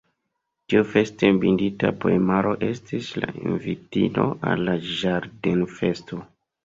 Tiu feste bindita poemaro estis la invitilo al la ĝardenfesto.